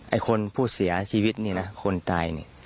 ไอ้คนผู้เสียชีวิตนี่นะคนตายนี่